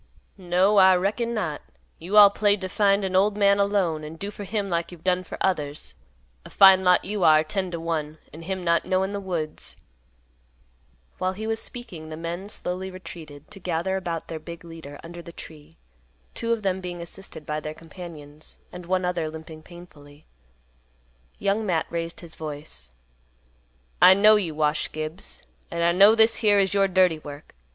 "No, I reckon not. You all played to find an old man alone, and do for him like you've done for others. A fine lot you are, ten to one, and him not knowin' the woods." While he was speaking, the men slowly retreated, to gather about their big leader under the tree, two of them being assisted by their companions, and one other limping painfully. Young Matt raised his voice, "I know you, Wash Gibbs, and I know this here is your dirty work.